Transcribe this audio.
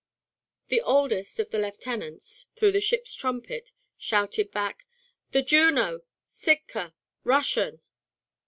The oldest of the lieutenants, through the ship's trumpet, shouted back: "The Juno Sitka Russian."